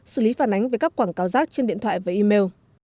xử lý phản ánh về các quảng cáo rác trên điện thoại và email